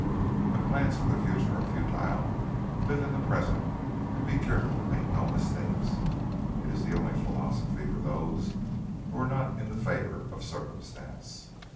When plans for the future are futile, live in the present and be careful to make no mistake. It is the only philosophy for those who are not in the favour of Circumstance.